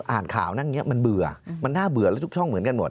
อ่านข่าวนั่งอย่างนี้มันเบื่อมันน่าเบื่อแล้วทุกช่องเหมือนกันหมด